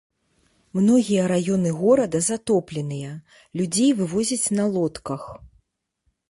Многія раёны горада затопленыя, людзей вывозяць на лодках.